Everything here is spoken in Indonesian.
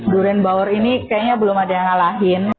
durian baur ini kayaknya belum ada yang ngalahin